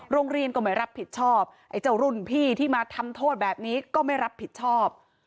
โรงเรียนก็ไม่รับผิดชอบไอ้เจ้ารุ่นพี่ที่มาทำโทษแบบนี้ก็ไม่รับผิดชอบ